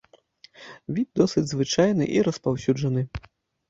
Від досыць звычайны і распаўсюджаны.